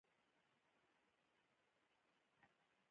زما ملګری راځي نن